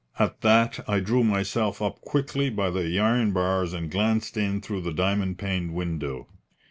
At that I drew myself up quickly by the iron bars and glanced in through the diamond paned window.